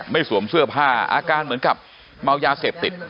สวมเสื้อผ้าอาการเหมือนกับเมายาเสพติด